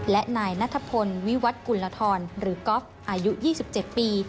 และนายนัทพลวิวัตกุลธรหรือก๊อฟอายุ๒๗ปี